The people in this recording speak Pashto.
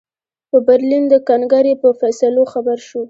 په برلین د کنګرې په فیصلو خبر شو.